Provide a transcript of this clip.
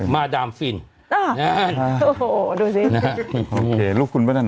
มาดามฟินอ่านั่นโอ้โหดูสินะฮะโอเคลูกคุณไหมนั่น